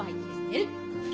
えっ？